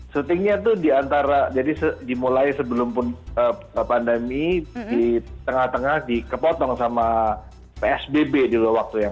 syutingnya tuh diantara jadi dimulai sebelum pandemi di tengah tengah dikepotong sama psbb dulu waktu yang